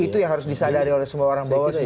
itu yang harus disadari oleh semua orang bahwa